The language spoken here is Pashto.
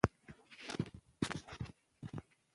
ازادي راډیو د روغتیا اړوند شکایتونه راپور کړي.